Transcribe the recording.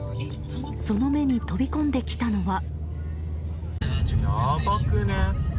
その目に飛び込んできたのは。